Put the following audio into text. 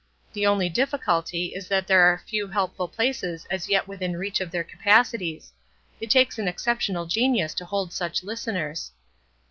The only difficulty is that there are few helpful places as yet within reach of their capacities. It takes an exceptional genius to hold such listeners."